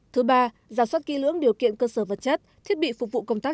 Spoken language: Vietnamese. thứ ba giả soát kỹ lưỡng điều kiện cơ sở vật chất thiết bị phục vụ công tác